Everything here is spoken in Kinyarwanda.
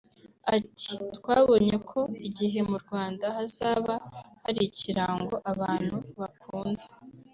Ati “Twabonye ko igihe mu Rwanda hazaba hari ikirango abantu bakunze